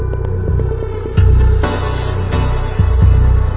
และมีความรักษณะในเกตากนิดนี้